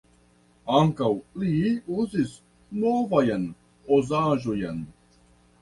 Ankaŭ li uzis "novajn" Oz-aĵojn.